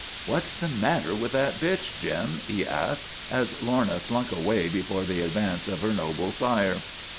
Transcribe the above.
"What's the matter with that bitch, Jim?" he asked as Lorna slunk away before the advance of her noble sire.